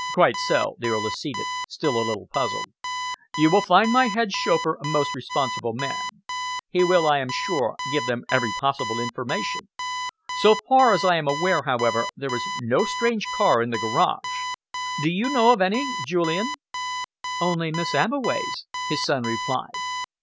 "Quite so," the Earl acceded, still a little puzzled. "You will find my head chauffeur a most responsible man. He will, I am sure, give them every possible information. So far as I am aware, however, there is no strange car in the garage. Do you know of any, Julian?" "Only Miss Abbeway's," his son replied.